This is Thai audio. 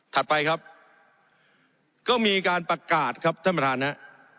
ไปครับก็มีการประกาศครับท่านประธานฮะ